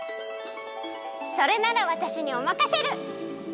それならわたしにおまかシェル！